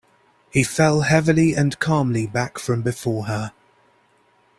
He fell heavily and calmly back from before her.